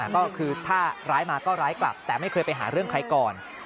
ก็คือถ้าร้ายมาก็ร้ายกลับแต่ไม่เคยไปหาเรื่องใครก่อน